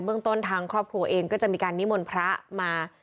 เมืองต้นทางข้อปลูกเองก็จะมีการนิยมนพระมา